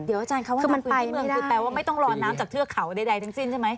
เดี๋ยวอาจารย์คำว่าคือมันไปเมืองคือแปลว่าไม่ต้องรอน้ำจากเทือกเขาใดทั้งสิ้นใช่ไหม